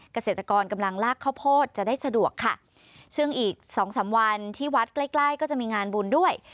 เกษตรกรกำลังลากข้าวโพดจะได้สะดวกค่ะซึ่งอีกสองสามวันที่วัดใกล้ใกล้ก็จะมีงานบุญด้วย